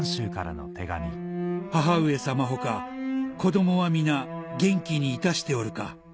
「母上様他子どもは皆元気にいたしておるか」